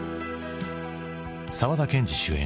沢田研二主演